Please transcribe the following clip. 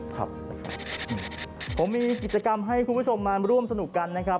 ผมมีกิจกรรมให้คุณผู้ชมมาร่วมสนุกกันนะครับ